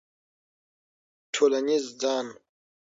ټولنیز ځان